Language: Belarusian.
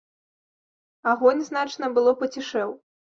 Агонь, значна было, пацішэў.